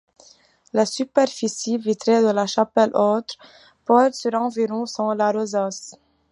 La superficie vitrée de la chapelle haute porte sur environ, sans la rosace.